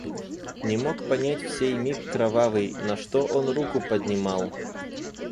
Не мог понять в сей миг кровавый, На что он руку поднимал!..